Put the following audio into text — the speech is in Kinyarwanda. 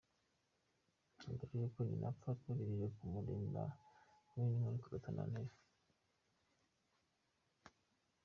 Na mbere y’uko nyina apfa twagerageje kumurinda kubinywa riko aratunanira.